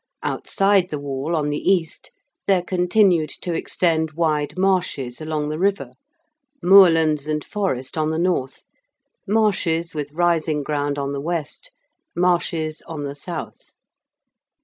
Outside the wall on the east there continued to extend wide marshes along the river; moorlands and forest on the north; marshes with rising ground on the west; marshes on the south.